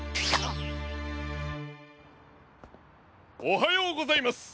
おはようございます！